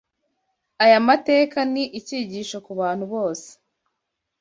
Aya mateka ni icyigisho ku bantu bose